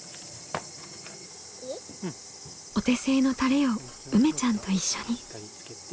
お手製のタレをうめちゃんと一緒に。